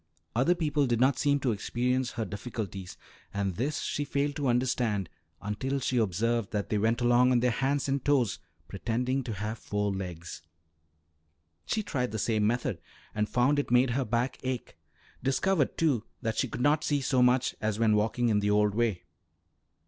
Other people did not seem to experience her difficulties, and this she failed to understand until she observed that they went along on their hands and toes, pretending to have four legs; she tried the same method and found it made her back ache; discovered, too, that she could not see so much as when walking in the old way.